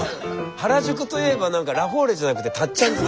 原宿といえば何かラフォーレじゃなくて辰ちゃん漬け。